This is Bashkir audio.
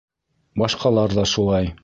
Башҡалар ҙа шулай!